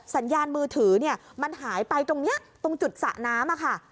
สัญญาณมือถือมันหายไปตรงนี้ตรงจุดสระน้ำค่ะ